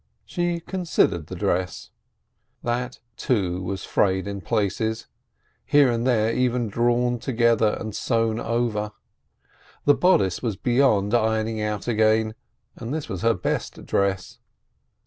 She considered the dress: that, too, was frayed in places; here and there even drawn together and sewn over. The bodice was beyond ironing out again — and this was her best dress.